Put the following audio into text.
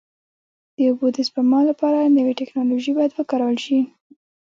د اوبو د سپما لپاره نوې ټکنالوژي باید وکارول شي.